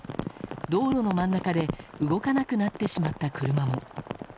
道路の真ん中で動かなくなってしまった車も。